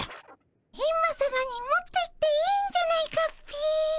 エンマさまに持っていっていいんじゃないかっピ。